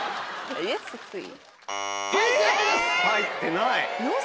えっ⁉入ってない？